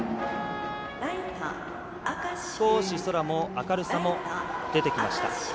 少し空も明るさも出てきました。